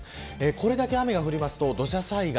これだけ雨が降ると土砂災害